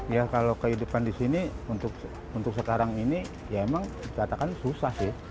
ya kalau kehidupan di sini untuk sekarang ini ya emang dikatakan susah sih